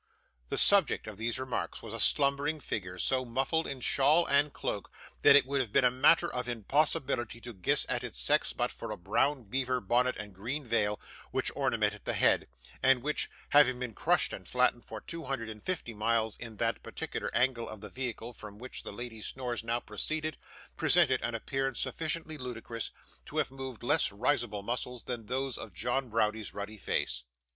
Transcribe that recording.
The subject of these remarks was a slumbering figure, so muffled in shawl and cloak, that it would have been matter of impossibility to guess at its sex but for a brown beaver bonnet and green veil which ornamented the head, and which, having been crushed and flattened, for two hundred and fifty miles, in that particular angle of the vehicle from which the lady's snores now proceeded, presented an appearance sufficiently ludicrous to have moved less risible muscles than those of John Browdie's ruddy face.